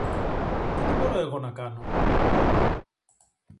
Και τι μπορώ εγώ να κάνω;